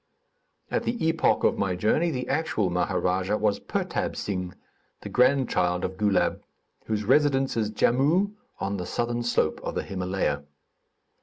At the epoch of my journey, the actual Maharadja was Pertab Sing, the grandchild of Goulab, whose residence is Jamoo, on the southern slope of the Himalaya.